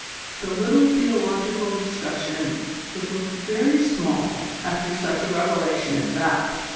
The little theological discussion would look very small after such a revelation as that.